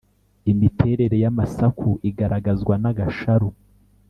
imiterere y’amasaku igaragazwa n’agasharu